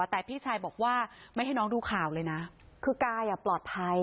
แต่พี่ชายบอกว่าไม่ให้น้องดูข่าวเลยนะคือกายปลอดภัย